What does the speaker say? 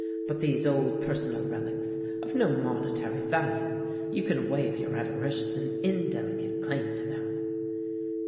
But these old personal relics, of no monetary value — you can waive your avaricious and indelicate claim to them."